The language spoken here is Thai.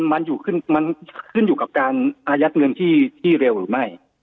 มันอยู่ขึ้นมันขึ้นอยู่กับการอายัดเงินที่เร็วหรือไม่